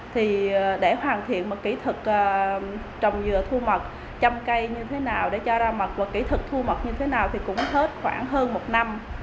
thì để hoàn thiện một kỹ thuật trồng dừa thu mật chăm cây như thế nào để cho ra mật và kỹ thuật thu mật như thế nào thì cũng hết khoảng hơn một năm